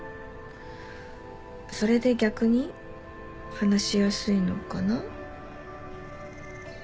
それで逆に話しやすいのかな？